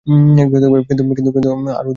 কিন্তু আর অধিক বিলম্ব নাই।